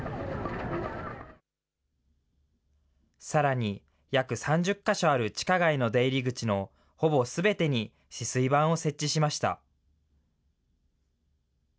さらに、約３０か所ある地下街の出入り口のほぼすべてに止水板を設置しました。